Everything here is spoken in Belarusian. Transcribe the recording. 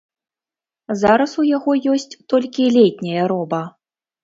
Зараз у яго ёсць толькі летняя роба.